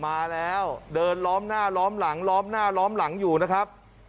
มาแล้วเดินล้อมหน้าล้อมหลังล้อมหน้าล้อมหลังอยู่นะครับ